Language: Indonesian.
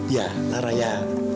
ya lara ya